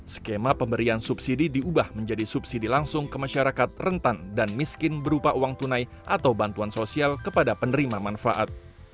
skema pemberian subsidi diubah menjadi subsidi langsung ke masyarakat rentan dan miskin berupa uang tunai atau bantuan sosial kepada penerima manfaat